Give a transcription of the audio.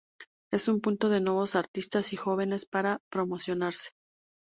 Es un punto de nuevos artistas jóvenes para promocionarse.